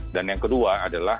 dan yang kedua adalah